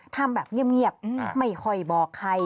ทำแบบเงียบไม่ค่อยบอกใคร